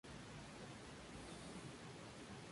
Tomó el nombre de la Sra.